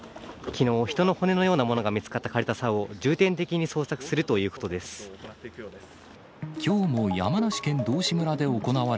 きのう、人の骨のようなものが見つかったかれた沢を重点的に捜索するといきょうも山梨県道志村で行わ